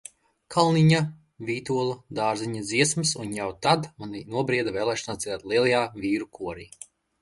Kalniņa, Vītola, Dārziņa dziesmas un jau tad manī nobrieda vēlēšanās dziedāt lielajā vīru korī.